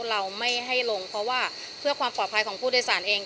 เราไม่ให้ลงเพราะว่าเพื่อความปลอดภัยของผู้โดยสารเอง